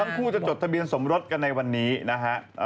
ทั้งคู่จะจดทะเบียนสมรสกันในวันนี้นะฮะ